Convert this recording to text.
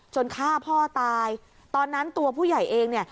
ฆ่าพ่อตายตอนนั้นตัวผู้ใหญ่เองเนี่ย